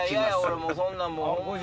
俺そんなんもう。